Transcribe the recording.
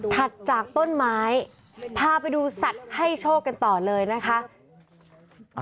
ถัดจากต้นไม้พาไปดูสัตว์ให้โชคกันต่อเลยนะคะ